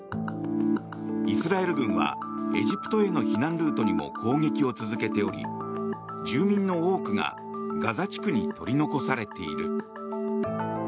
イスラエル軍はエジプトへの避難ルートにも攻撃を続けており住民の多くがガザ地区に取り残されている。